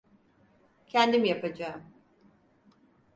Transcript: Kendim yapacağım.